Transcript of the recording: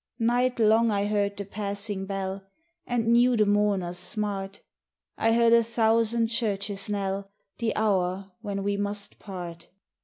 Nightlong I heard the passing bell And knew the mourner's smart. I heard a thousand churches knell The hour when we must part.